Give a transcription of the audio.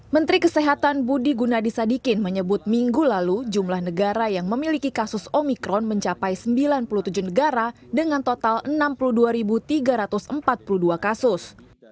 menteri kesehatan budi gunadisadikin menyebut minggu lalu jumlah negara yang memiliki kasus omikron mencapai sembilan puluh tujuh negara dengan total enam puluh dua tiga ratus empat puluh dua kasus